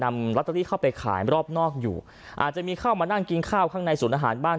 ลอตเตอรี่เข้าไปขายรอบนอกอยู่อาจจะมีเข้ามานั่งกินข้าวข้างในศูนย์อาหารบ้าง